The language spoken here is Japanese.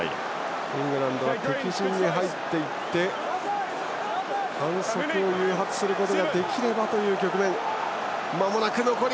イングランドは敵陣に入っていって反則を誘発することができればという局面。